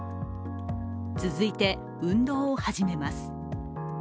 続いて運動を始めます。